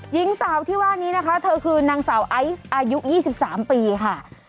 หญิงสาวที่ว่านี้นะคะเธอคือนางสาวไอซ์อายุ๒๓ปีค่ะ